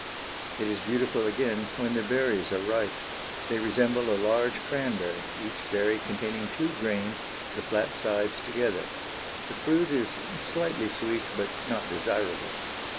It is beautiful again when the berries are ripe. They resemble a large cranberry, each berry containing two grains, the flat sides together. The fruit is slightly sweet but not desirable.